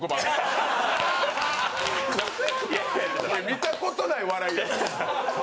見たことない笑いだよ。